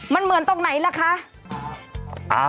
มันเหมือนตรงไหนล่ะคะ